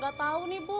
gak tahu nih bu